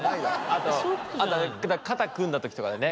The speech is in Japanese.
あとあと肩組んだ時とかだよね。